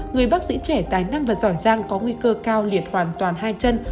người bác sĩ trẻ tài năng và giỏi giang có nguy cơ cao liệt hoàn toàn hai chân